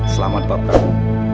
selamat pak prabu